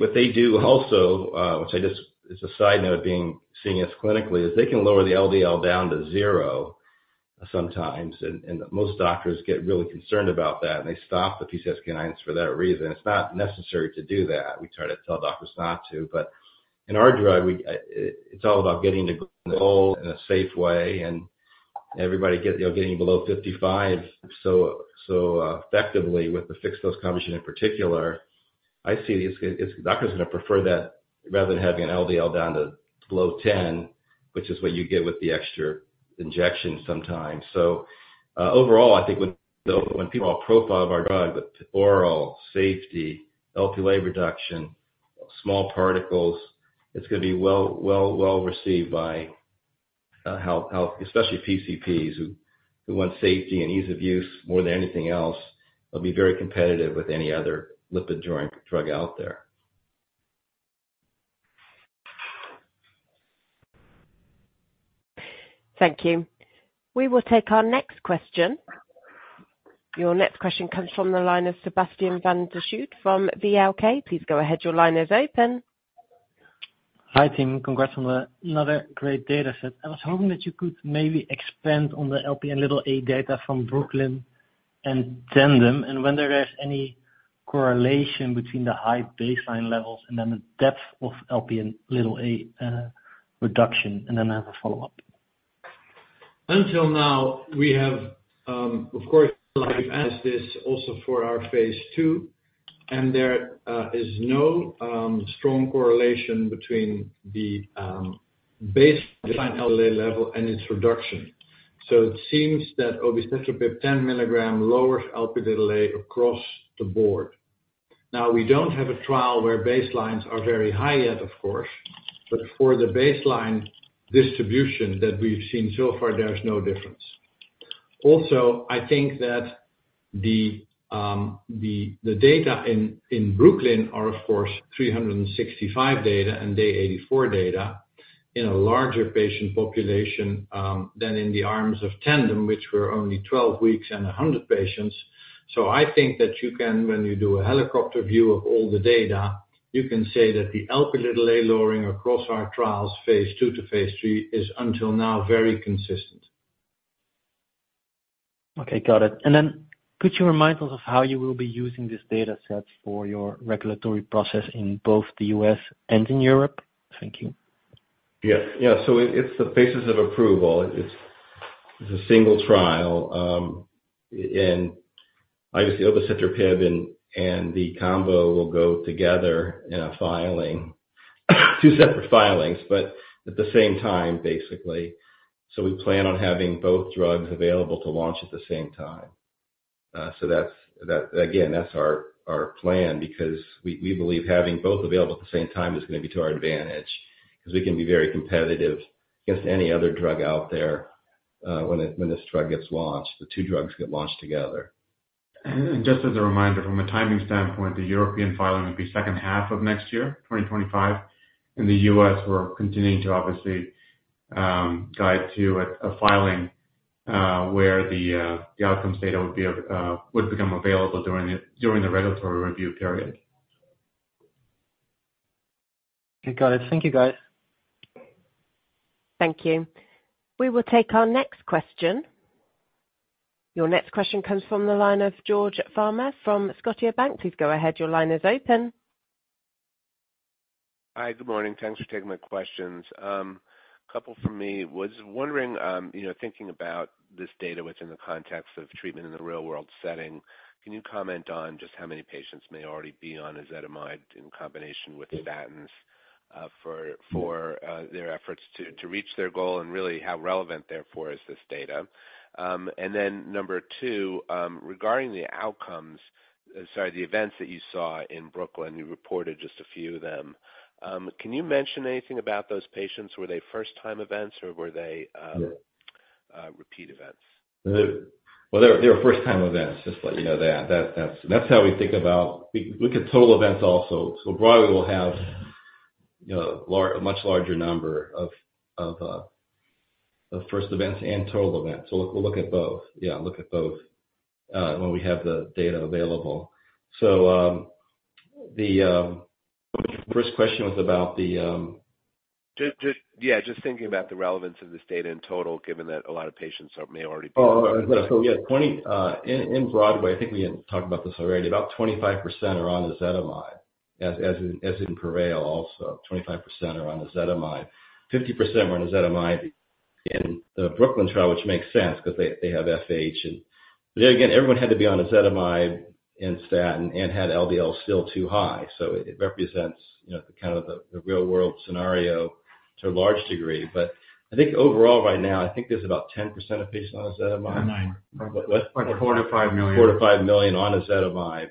What they do also, which I just, it's a side note being seeing us clinically, is they can lower the LDL down to zero sometimes. And most doctors get really concerned about that, and they stop the PCSK9s for that reason. It's not necessary to do that. We try to tell doctors not to. But in our drug, it's all about getting to goal in a safe way and everybody getting below 55. Effectively, with the fixed-dose combination in particular, I see doctors are going to prefer that rather than having an LDL down to below 10, which is what you get with the extra injection sometimes. Overall, I think when people, our profile of our drug with oral safety, Lp(a) reduction, small particles, it's going to be well-received by health, especially PCPs, who want safety and ease of use more than anything else. It'll be very competitive with any other lipid-drug out there. Thank you. We will take our next question. Your next question comes from the line of Sebastiaan van der Schoot from VLK. Please go ahead. Your line is open. Hi, team. Congrats on another great dataset. I was hoping that you could maybe expand on the Lp(a) data from BROOKLYN and TANDEM and whether there's any correlation between the high baseline levels and then the depth of Lp(a) reduction. And then I have a follow-up. Until now, we have, of course, as this also for our phase II, and there is no strong correlation between the baseline LDL level and its reduction, so it seems that obicetrapib 10 mg lowers Lp(a) across the board. Now, we don't have a trial where baselines are very high yet, of course, but for the baseline distribution that we've seen so far, there's no difference. Also, I think that the data in BROOKLYN are, of course, day 365 data and day 84 data in a larger patient population than in the arms of TANDEM, which were only 12 weeks and 100 patients, so I think that you can, when you do a helicopter view of all the data, say that the Lp(a) lowering across our trials, phase II to phase III, is until now very consistent. Okay. Got it. And then could you remind us of how you will be using this dataset for your regulatory process in both the U.S. and in Europe? Thank you. Yes. Yeah. So it's the basis of approval. It's a single trial. And obviously, obicetrapib and the combo will go together in a filing, two separate filings, but at the same time, basically. So we plan on having both drugs available to launch at the same time. So again, that's our plan because we believe having both available at the same time is going to be to our advantage because we can be very competitive against any other drug out there when this drug gets launched. The two drugs get launched together. Just as a reminder, from a timing standpoint, the European filing would be second half of next year, 2025. In the U.S., we're continuing to obviously guide to a filing where the outcome data would become available during the regulatory review period. Okay. Got it. Thank you, guys. Thank you. We will take our next question. Your next question comes from the line of George Farmer from Scotiabank. Please go ahead. Your line is open. Hi. Good morning. Thanks for taking my questions. A couple for me. I was wondering, thinking about this data within the context of treatment in the real-world setting, can you comment on just how many patients may already be on ezetimibe in combination with statins for their efforts to reach their goal and really how relevant therefore is this data? Number two, regarding the outcomes, sorry, the events that you saw in BROOKLYN, you reported just a few of them. Can you mention anything about those patients? Were they first-time events, or were they repeat events? They were first-time events. Just to let you know that. That's how we think about. We could total events also. Broadly, we'll have a much larger number of first events and total events. We'll look at both. Yeah. Look at both when we have the data available. The first question was about the. Yeah. Just thinking about the relevance of this data in total, given that a lot of patients may already be on ezetimibe. Oh, yeah. In BROADWAY, I think we had talked about this already. About 25% are on ezetimibe, as in PREVAIL also. 25% are on ezetimibe. 50% were on ezetimibe in the BROOKLYN trial, which makes sense because they have FH, and again, everyone had to be on ezetimibe and statin and had LDL still too high, so it represents kind of the real-world scenario to a large degree, but I think overall, right now, I think there's about 10% of patients on ezetimibe. 9%. What? 4 million-5 million. 4 million-5 million on ezetimibe,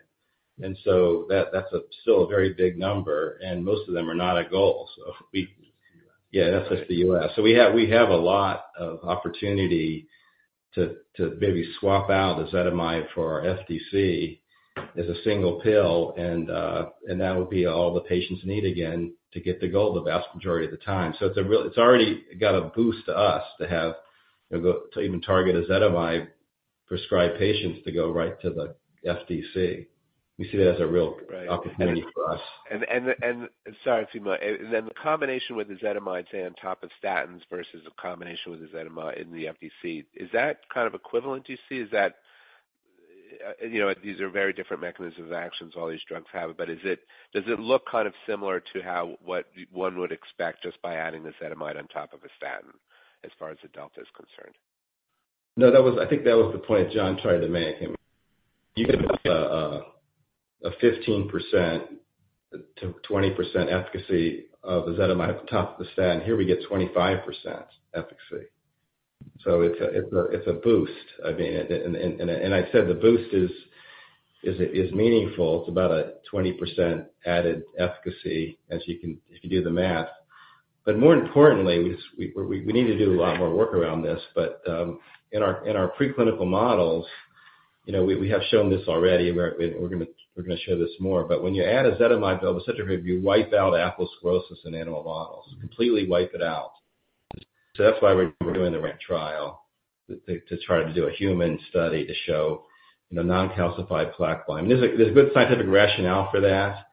and so that's still a very big number. And most of them are not at goal. So yeah, that's just the U.S. So we have a lot of opportunity to maybe swap out ezetimibe for our FDC as a single pill. And that would be all the patients need again to get to goal the vast majority of the time. So it's already got a boost to us to even target ezetimibe-prescribed patients to go right to the FDC. We see that as a real opportunity for us. And sorry. And then the combination with ezetimibe, say, on top of statins versus a combination with ezetimibe in the FDC, is that kind of equivalent you see? These are very different mechanisms of actions all these drugs have. But does it look kind of similar to how one would expect just by adding ezetimibe on top of a statin as far as the delta is concerned? No, I think that was the point John tried to make. You get a 15%-20% efficacy of ezetimibe on top of the statin. Here we get 25% efficacy, so it's a boost. I mean, and I said the boost is meaningful. It's about a 20% added efficacy as you can do the math, but more importantly, we need to do a lot more work around this, but in our preclinical models, we have shown this already. We're going to show this more, but when you add ezetimibe to obicetrapib, you wipe out atherosclerosis in animal models. Completely wipe it out, so that's why we're doing the right trial to try to do a human study to show non-calcified plaque volume. There's a good scientific rationale for that.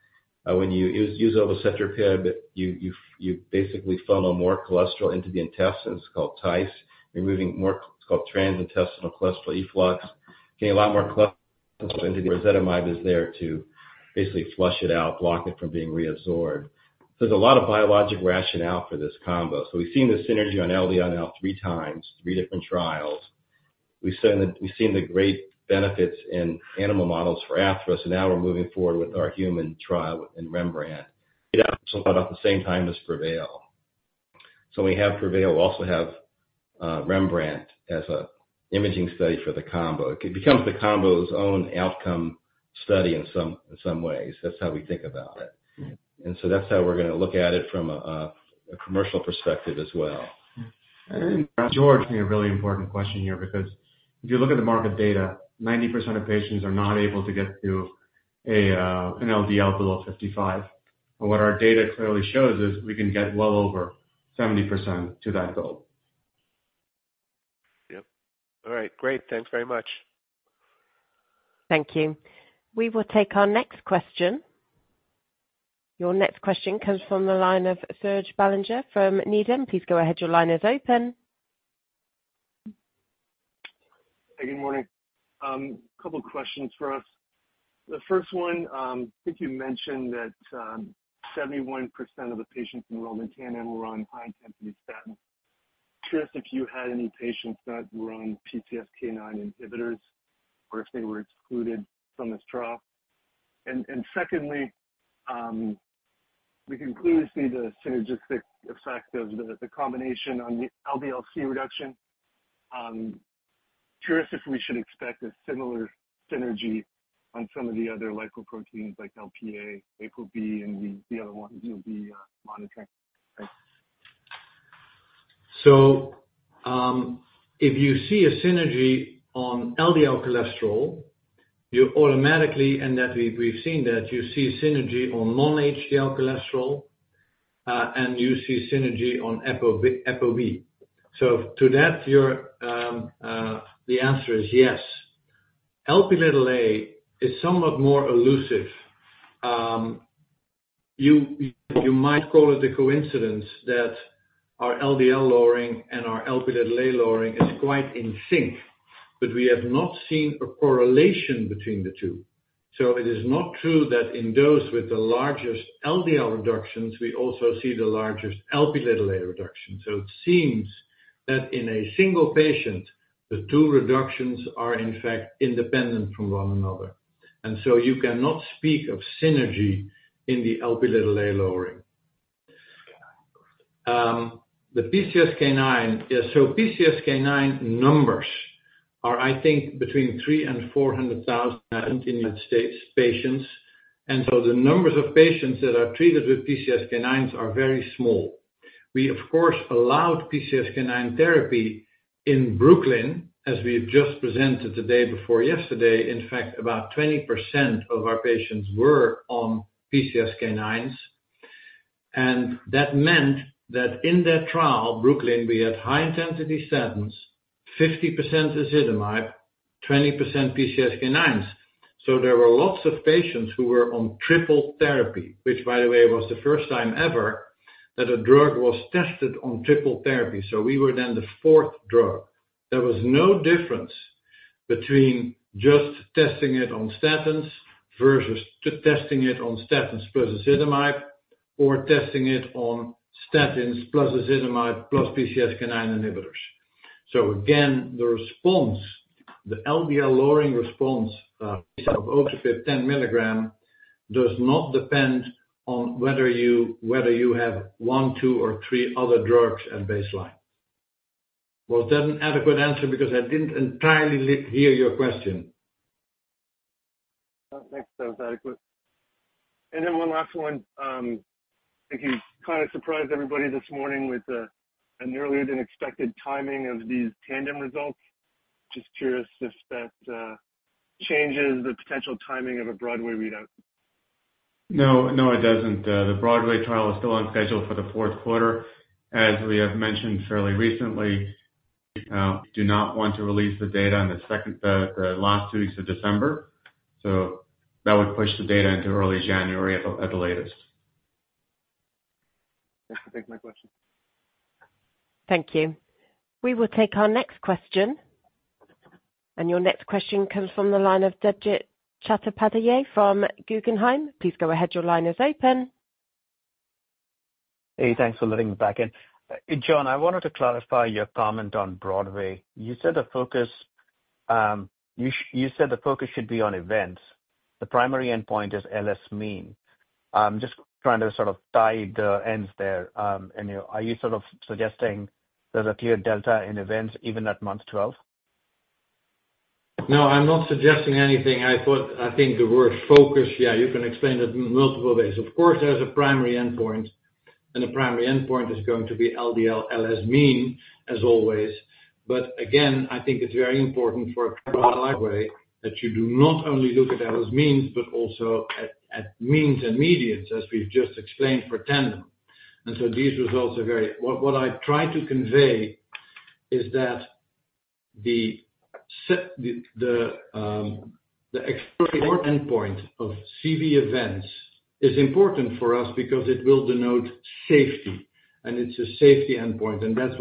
When you use obicetrapib, you basically funnel more cholesterol into the intestines. It's called TICE. It's called transintestinal cholesterol efflux. Getting a lot more cholesterol into the ezetimibe is there to basically flush it out, block it from being reabsorbed. So there's a lot of biologic rationale for this combo. So we've seen the synergy on LDL now three times, three different trials. We've seen the great benefits in animal models for atherosclerosis. And now we're moving forward with our human trial in REMBRANDT. It'll read out at the same time as PREVAIL. So when we have PREVAIL, we also have REMBRANDT as an imaging study for the combo. It becomes the combo's own outcome study in some ways. That's how we think about it. And so that's how we're going to look at it from a commercial perspective as well. George, a really important question here because if you look at the market data, 90% of patients are not able to get to an LDL below 55. What our data clearly shows is we can get well over 70% to that goal. Yep. All right. Great. Thanks very much. Thank you. We will take our next question. Your next question comes from the line of Serge Belanger from Needham. Please go ahead. Your line is open. Hi. Good morning. A couple of questions for us. The first one, I think you mentioned that 71% of the patients enrolled in TANDEM were on high-intensity statin. Curious if you had any patients that were on PCSK9 inhibitors or if they were excluded from this trial. And secondly, we can clearly see the synergistic effect of the combination on the LDL-C reduction. Curious if we should expect a similar synergy on some of the other lipoproteins like Lp(a), ApoB, and the other ones you'll be monitoring. So if you see a synergy on LDL cholesterol, you automatically, and that we've seen that, you see synergy on non-HDL cholesterol, and you see synergy on ApoB. So to that, the answer is yes. Lp(a) is somewhat more elusive. You might call it a coincidence that our LDL lowering and our Lp(a) lowering is quite in sync, but we have not seen a correlation between the two. So it is not true that in those with the largest LDL reductions, we also see the largest Lp(a) reduction. So it seems that in a single patient, the two reductions are, in fact, independent from one another. And so you cannot speak of synergy in the Lp(a) lowering. So PCSK9 numbers are, I think, between 300,000 and 400,000 in the United States patients. And so the numbers of patients that are treated with PCSK9s are very small. We, of course, allowed PCSK9 therapy in BROOKLYN, as we've just presented the day before yesterday. In fact, about 20% of our patients were on PCSK9s. And that meant that in that trial in BROOKLYN, we had high-intensity statins, 50% ezetimibe, 20% PCSK9s. So there were lots of patients who were on triple therapy, which, by the way, was the first time ever that a drug was tested on triple therapy. So we were then the fourth drug. There was no difference between just testing it on statins versus testing it on statins plus ezetimibe or testing it on statins plus ezetimibe plus PCSK9 inhibitors. So again, the response, the LDL lowering response of obicetrapib 10 mg does not depend on whether you have one, two, or three other drugs at baseline. Was that an adequate answer? Because I didn't entirely hear your question. No, thanks. That was adequate. And then one last one. I think you kind of surprised everybody this morning with an earlier-than-expected timing of these TANDEM results. Just curious if that changes the potential timing of a BROADWAY readout. No, no, it doesn't. The BROADWAY trial is still on schedule for the fourth quarter. As we have mentioned fairly recently, we do not want to release the data in the last two weeks of December. So that would push the data into early January at the latest. Thanks for taking my questions. Thank you. We will take our next question. And your next question comes from the line of Debjit Chattopadhyay from Guggenheim. Please go ahead. Your line is open. Hey, thanks for letting me back in. John, I wanted to clarify your comment on BROADWAY. You said the focus should be on events. The primary endpoint is LS mean. Just trying to sort of tie the ends there. And are you sort of suggesting there's a clear delta in events even at month 12? No, I'm not suggesting anything. I think the word focus, yeah, you can explain it multiple ways. Of course, there's a primary endpoint, and the primary endpoint is going to be LDL, LS mean, as always. But again, I think it's very important for a trial like BROADWAY that you do not only look at LS means but also at means and medians, as we've just explained for TANDEM, and so these results are very, what I tried to convey is that the exploratory endpoint of CV events is important for us because it will denote safety. And it's a safety endpoint. And that's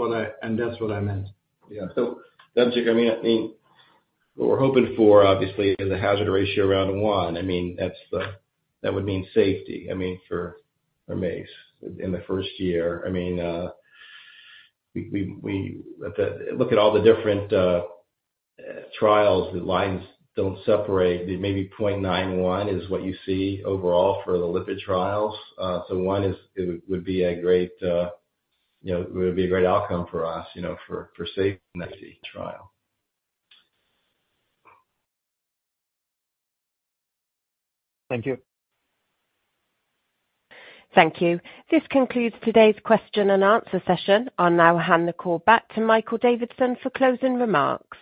what I meant. Yeah. So I mean, what we're hoping for, obviously, is a hazard ratio around one. I mean, that would mean safety, I mean, for MACE in the first year. I mean, look at all the different trials. The lines don't separate. Maybe 0.91 is what you see overall for the lipid trials. So one would be a great, it would be a great outcome for us for safety trial. Thank you. Thank you. This concludes today's question-and-answer session. I'll now hand the call back to Michael Davidson for closing remarks.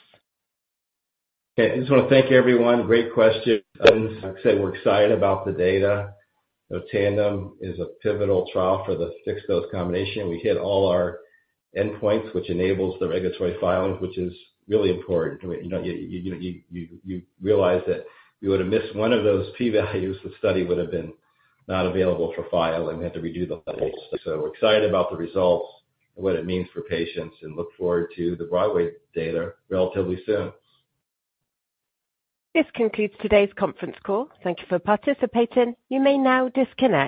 Okay. I just want to thank everyone. Great question. Like I said, we're excited about the data. TANDEM is a pivotal trial for the fixed-dose combination. We hit all our endpoints, which enables the regulatory filing, which is really important. You realize that if we would have missed one of those p-values, the study would have been not available for filing, and we had to redo the whole study. So excited about the results and what it means for patients and look forward to the BROADWAY data relatively soon. This concludes today's conference call. Thank you for participating. You may now disconnect.